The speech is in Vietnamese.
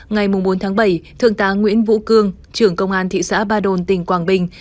ngày bốn tháng bảy thượng tá nguyễn vũ cương trưởng công an thị xã ba đồn tỉnh quảng bình